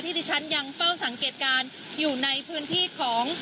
ที่ดิฉันยังเฝ้าสังเกตการณ์อยู่ในพื้นที่ของ